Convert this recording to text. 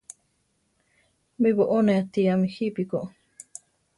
Mí boʼó ne atíame jípi ko.